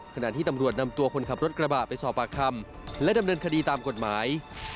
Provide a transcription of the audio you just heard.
ขณะที่ตำรวจนำตัวคนขับรถกระบะไปสอบปากคำและดำเนินคดีตามกฎหมาย